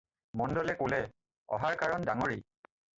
মণ্ডলে ক'লে- "অহাৰ কাৰণ ডাঙৰেই।"